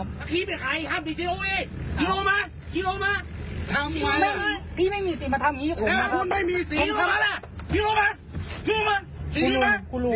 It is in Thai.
คิงลงมาสีลงมาคุณลุงคุณลุงคุณลุงคุณลุงคุณลุง